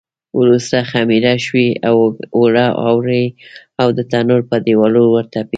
وروسته خمېره شوي اوړه اواروي او د تنور پر دېوال ورتپي.